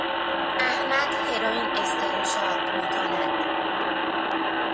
احمد هروئین استنشاق میکند.